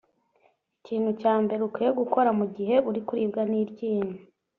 Ikintu cya mbere ukwiye gukora mu gihe uri kuribwa n’iryinyo